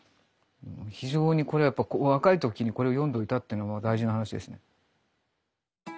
非常にこれやっぱ若い時にこれを読んどいたっていう大事な話ですね。